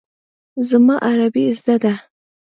زما عربي زده ده.